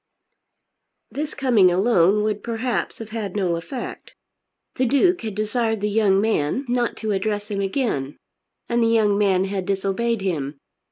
This coming alone would perhaps have had no effect. The Duke had desired the young man not to address him again; and the young man had disobeyed him.